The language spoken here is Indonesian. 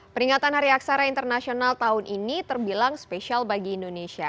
peringatan hari aksara internasional tahun ini terbilang spesial bagi indonesia